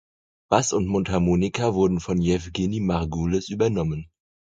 Bass und Mundharmonika wurden von Jewgeni Margulis übernommen.